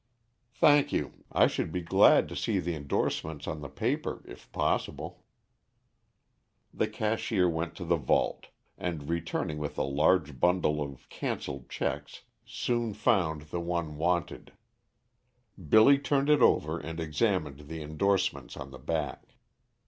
"Thank you. I should be glad to see the indorsements on the paper, if possible." The cashier went to the vault, and returning with a large bundle of canceled checks soon found the one wanted. Billy turned it over and examined the indorsements on the back.